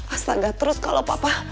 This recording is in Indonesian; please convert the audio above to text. astaga terus kalau papa